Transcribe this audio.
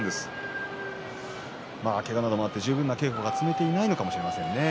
けがなどもあって十分な稽古が積めていないのかもしれませんね。